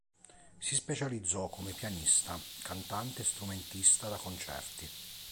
Si specializzò come pianista, cantante e strumentista da concerti.